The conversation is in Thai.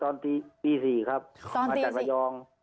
ตอนปี๔มาจากระยอง